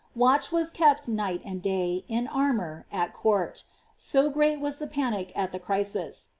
Watch was kept night and day, in armour, at court, so great was the panic at .this crisis.